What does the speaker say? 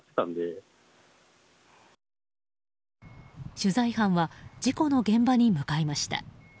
取材班は事故の現場に向かいました。